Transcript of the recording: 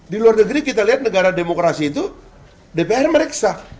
di luar negeri kita lihat negara demokrasi itu dpr memeriksa